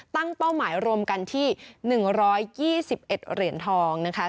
เป้าหมายรวมกันที่๑๒๑เหรียญทองนะคะ